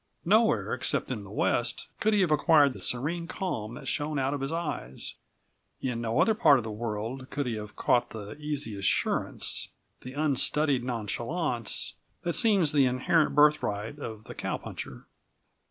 Nowhere, except in the West, could he have acquired the serene calm that shone out of his eyes; in no other part of the world could he have caught the easy assurance, the unstudied nonchalance, that seems the inherent birthright of the cowpuncher.